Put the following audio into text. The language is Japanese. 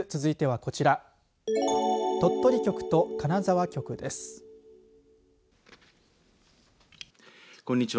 こんにちは。